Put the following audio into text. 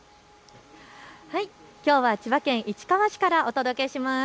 きょうは千葉県市川市からお届けします。